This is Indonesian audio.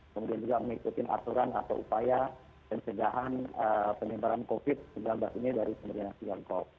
kemudian juga mengikuti aturan atau upaya pencegahan penyebaran covid sembilan belas ini dari pemerintah tiongkok